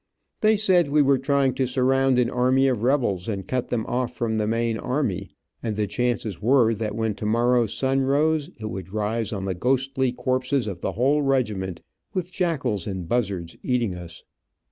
They said we were trying to surround an army of rebels, and cut them off from the main army, and the chances were that when tomorrow's sun rose it would rise on the ghostly corpses of the whole regiment, with jackals and buzzards eating us.